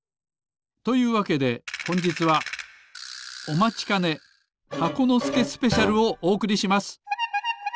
というわけでほんじつはおまちかね「箱のすけスペシャル」をおおくりします。